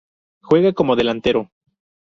Juega como Delantero.